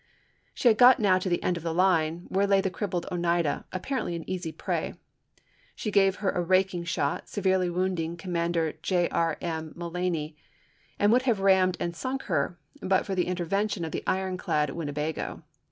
She had got now to the end of the line, where lay the crippled Oneida, apparently an easy prey. She gave her a raking shot, severely wounding Commander J. R. M. Mul lany, and would have rammed and sunk her but for the intervention of the ironclad Winnebago.